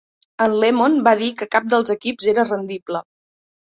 En Lemon va dir que cap dels equips era rendible.